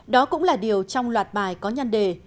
đó cũng là điều trong loạt bài có nhân đề